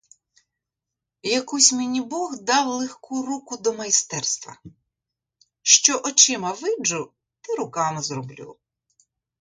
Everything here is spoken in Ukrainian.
Якусь мені Бог дав легку руку до майстерства; що очима виджу, те руками зроблю.